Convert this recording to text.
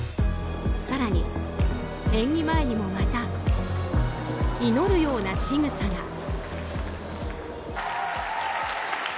更に、演技前にもまた祈るようなしぐさが。